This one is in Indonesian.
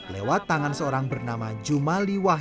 lewat tangan seorang bernama jumali wahyu